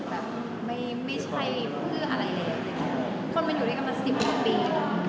แบบไม่ใช่เพื่ออะไรเลยคนมันอยู่ด้วยกันมาสิบกว่าปีแล้ว